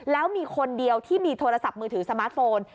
แล้วมีคนเดียวที่มีโทรศัพท์มือถือสมาร์ทโฟน